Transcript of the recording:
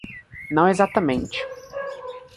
Não exatamente